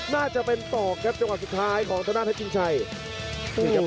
น่าจะเป็นตอกครับจังหวะสุดท้ายของธนาทัศน์เทคจิงชัย